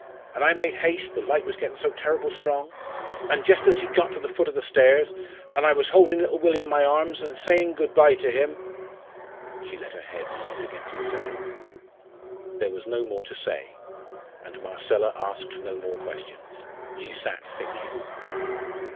An' I made haste, the light was getting so terrible strong; an' just as he'd got to the foot of the stairs, an' I was holding little Willie in my arms an' saying good bye to him " She let her head sink against the settle. There was no more to say, and Marcella asked no more questions she sat thinking.